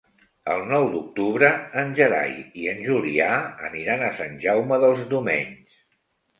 El nou d'octubre en Gerai i en Julià aniran a Sant Jaume dels Domenys.